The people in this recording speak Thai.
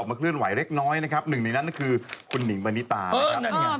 เคลื่อนไหวเล็กน้อยนะครับหนึ่งในนั้นก็คือคุณหิงปณิตานะครับ